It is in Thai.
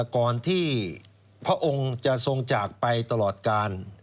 ก่อนที่พระองค์จะทรงจากไปตลอดกาล